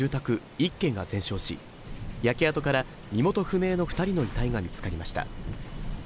１軒が全焼し焼け跡から身元不明の２人の遺体が見つかりました。